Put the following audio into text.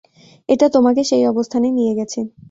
এটা তোমাকে সেই অবস্থানে নিয়ে গেছে।